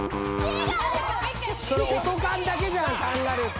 それ音感だけじゃんカンガルーって。